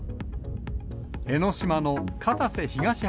江の島の片瀬東浜